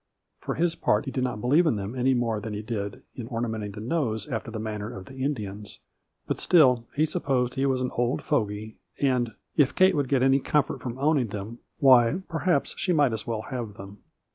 For his part " he didn't believe in them any more A FLURRY IX DIAMONDS. than he did in ornamenting the nose after the manner of the Indians, but still he supposed he was an old fogy, and " if Kate could get any comfort from owning them, why, perhaps she might as well have them."